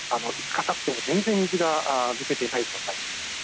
５日たっても全然、水が抜けていないですね。